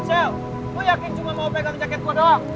michelle lo yakin cuma mau pegang jaket gue doang